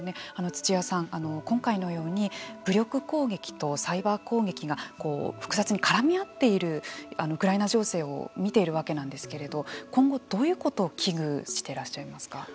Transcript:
土屋さん、今回のように武力攻撃とサイバー攻撃が複雑に絡み合っているウクライナ情勢を見ているわけなんですけれど今後、どういうことを危惧していらっしゃいますか。